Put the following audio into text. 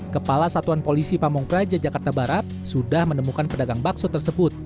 kepala satuan polisi pamung praja jakarta barat sudah menemukan pedagang bakso tersebut